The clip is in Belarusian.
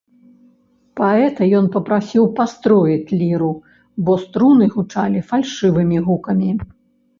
Паэта ён папрасіў пастроіць ліру, бо струны гучалі фальшывымі гукамі.